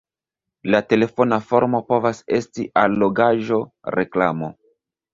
La telefona formo povas esti allogaĵo, reklamo.